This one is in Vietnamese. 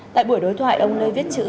tại buổi đối thoại ông lê viết chữ